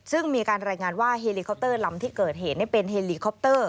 ซึ่งมีการรายงานว่าเฮลิคอปเตอร์ลำที่เกิดเหตุเป็นเฮลีคอปเตอร์